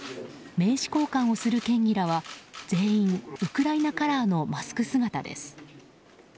名刺交換をする県議らは全員、ウクライナカラーのマスク姿です。